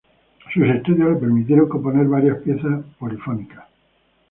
Sus estudios le permitieron componer varias piezas polifónicas.